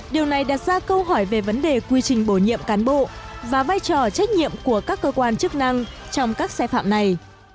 điều này đặt ra câu hỏi về vấn đề quy trình bổ nhiệm cán bộ và vai trò trách nhiệm của các cơ quan chức năng trong các sai phạm này